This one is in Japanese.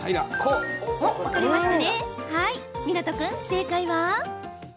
湊君、正解は。